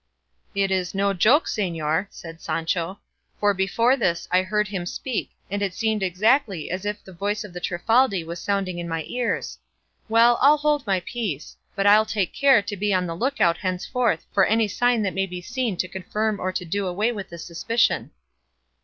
"It is no joke, señor," said Sancho, "for before this I heard him speak, and it seemed exactly as if the voice of the Trifaldi was sounding in my ears. Well, I'll hold my peace; but I'll take care to be on the look out henceforth for any sign that may be seen to confirm or do away with this suspicion."